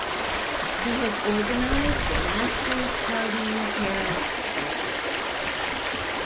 He has organised the Masters Karting Paris Bercy.